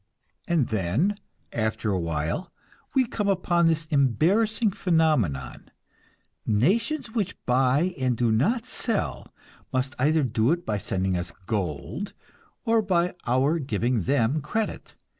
And then, after a while, we come upon this embarrassing phenomenon; nations which buy and do not sell must either do it by sending us gold, or by our giving them credit.